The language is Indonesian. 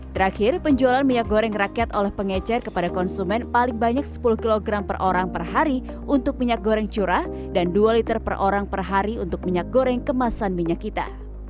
terakhir penjualan minyak goreng rakyat oleh pengecer kepada konsumen paling banyak sepuluh kg per orang per hari untuk minyak goreng curah dan dua liter per orang per hari untuk minyak goreng kemasan minyak kita